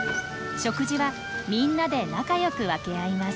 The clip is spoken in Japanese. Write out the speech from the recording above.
食事はみんなで仲良く分け合います。